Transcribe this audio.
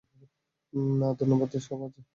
না ধন্যবাদ, সব আছে।